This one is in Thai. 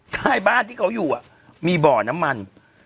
ใกล้บ้านที่เขาอยู่มีบ่อน้ำมัน